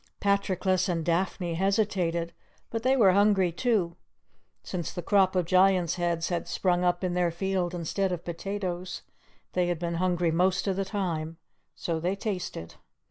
Patroclus and Daphne hesitated, but they were hungry, too. Since the crop of Giant's heads had sprung up in their field instead of potatoes, they had been hungry most of the time; so they tasted.